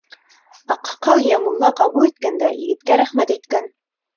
Аҡһаҡал йә мулла ҡабул иткәндә егеткә рәхмәт әйткән.